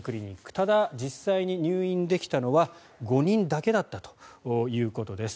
ただ、実際に入院できたのは５人だけだったということです。